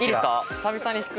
久々に引く。